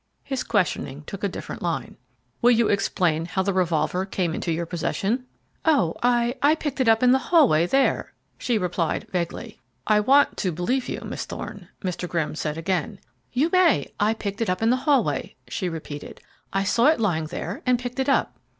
His questioning took a different line. "Will you explain how the revolver came into your possession?" "Oh, I I picked it up in the hallway there," she replied vaguely. "I want to believe you, Miss Thorne," Mr. Grimm said again. "You may. I picked it up in the hallway," she repeated. "I saw it lying there and picked it up."